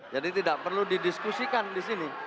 jadi tidak perlu didiskusikan di sini